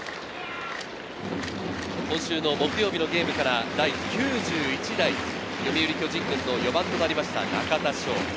今週の木曜日のゲームから第９１代、読売巨人軍の４番となりました中田翔。